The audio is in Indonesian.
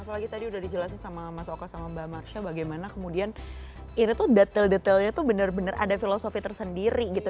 apalagi tadi udah dijelasin sama mas oka sama mbak marsha bagaimana kemudian ini tuh detail detailnya tuh bener bener ada filosofi tersendiri gitu